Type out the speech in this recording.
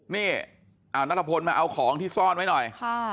นี่นัทพลมาเอาของที่ซ่อนไว้หน่อย